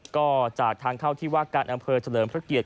ก็จากทางเข้าที่ว่าการอำเภอเฉลิมพระเกียรติ